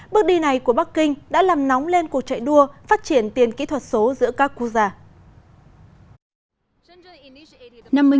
bước đi này của bắc kinh đã làm nóng lên cuộc chạy đua phát triển tiền kỹ thuật số giữa các quốc gia